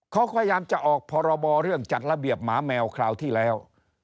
เขาพยายามจะออกพรบเรื่องจัดระเบียบหมาแมวคราวที่แล้ว